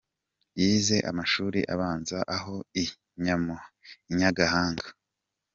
Yize amashuri abanza aho i Nyagahanga, yiga ayisumbuye muri seminari nto yo ku Rwesero.